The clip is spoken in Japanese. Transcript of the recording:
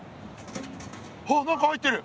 あっ何か入ってる。